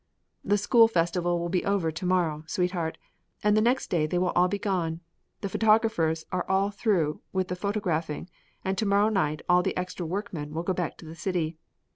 "The school festival will be over to morrow, sweetheart, and the next day they will all be gone. The photographers are all through with the photographing and to morrow night all the extra workmen go back to the city.